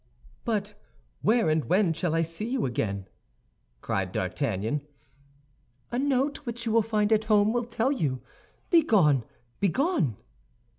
"But where and when shall I see you again?" cried D'Artagnan. "A note which you will find at home will tell you. Begone, begone!"